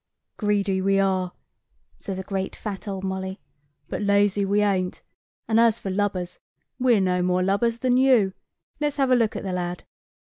"Greedy we are," says a great fat old molly, "but lazy we ain't; and, as for lubbers, we're no more lubbers than you. Let's have a look at the lad."